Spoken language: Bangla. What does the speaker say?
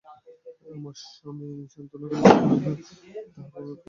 আমার স্বামী আমাকে সান্ত্বনা করিবার জন্য তাঁহার গুরুকে অনুরোধ করিলেন।